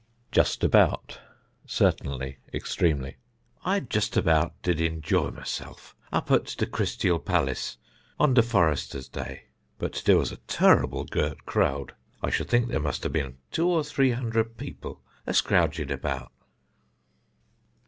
Justabout (Certainly, extremely): "I justabout did enjoy myself up at the Cristial Palace on the Forresters' day, but there was a terr'ble gurt crowd; I should think there must have been two or three hundred people a scrouging about."